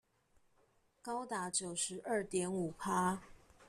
高達九十二點五趴